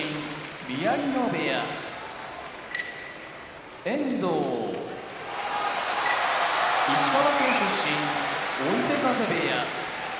宮城野部屋遠藤石川県出身追手風部屋